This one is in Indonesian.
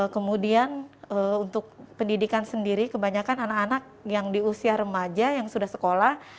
kemudian untuk pendidikan sendiri kebanyakan anak anak yang di usia remaja yang sudah sekolah